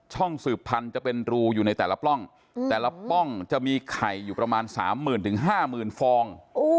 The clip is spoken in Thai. ช่องสืบพันจะเป็นรูอยู่ในแต่ละปล้องแต่ละปล้องจะมีไข่อยู่ประมาณสามหมื่นถึงห้าหมื่นฟอง